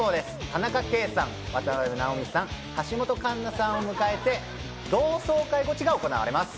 田中圭さん、渡辺直美さん、橋本環奈さんを迎えて同窓会ゴチが行われます。